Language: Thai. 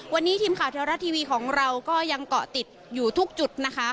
วันนี้ทีมข่าวเทวรัฐทีวีของเราก็ยังเกาะติดอยู่ทุกจุดนะคะ